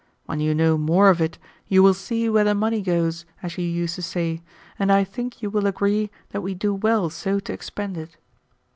When you know more of it you will see where the money goes, as you used to say, and I think you will agree that we do well so to expend it."